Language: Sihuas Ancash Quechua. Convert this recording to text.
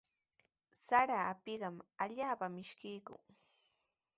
Sara apiqa allaapami mishkiykun.